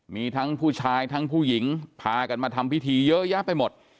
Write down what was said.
มีทั้งผู้ชายทั้งผู้หญิงพากันมาทำพิธีเยอะแยะไปหมด